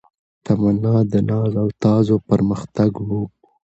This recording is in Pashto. تمنا د ناز او تاز و پرمختګ و